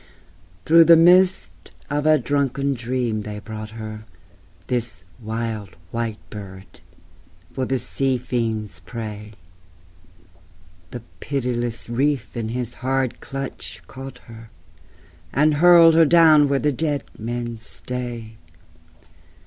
Through the mist of a drunken dream they brought her (This wild white bird) for the sea fiend's prey: The pitiless reef in his hard clutch caught her, And hurled her down where the dead men stay.